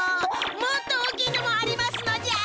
もっと大きいのもありますのじゃ。